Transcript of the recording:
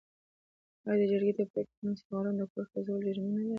آیا د جرګې د پریکړې نه سرغړونه د کور سوځول جریمه نلري؟